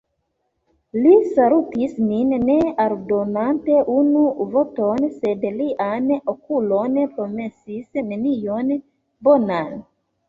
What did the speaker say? Li salutis nin ne aldonante unu vorton, sed liaj okuloj promesis nenion bonan.